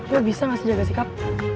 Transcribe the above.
gue bisa gak sih jaga sikap